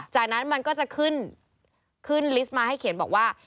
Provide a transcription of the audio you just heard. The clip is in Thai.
จากนั้นมันก็จะขึ้นขึ้นลิสต์มาให้เขียนบอกว่า